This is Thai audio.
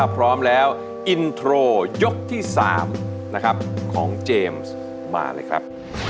พร้อมแล้วอินโทรยกที่๓นะครับของเจมส์มาเลยครับ